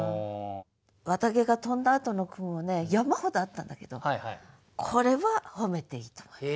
絮毛が飛んだあとの句もね山ほどあったんだけどこれは褒めていいと思います。